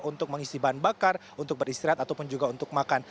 untuk mengisi bahan bakar untuk beristirahat ataupun juga untuk makan